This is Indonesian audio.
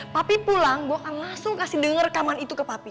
papi pulang langsung kasih denger rekaman itu ke papi